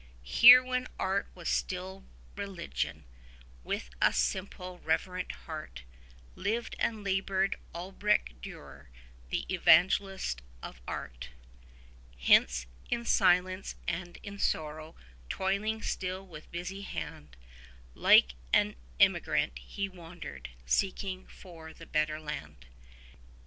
20 Here, when Art was still religion, with a simple, reverent heart, Lived and laboured Albrecht Dürer, the Evangelist of Art; Hence in silence and in sorrow, toiling still with busy hand, Like an emigrant he wandered, seeking for the Better Land.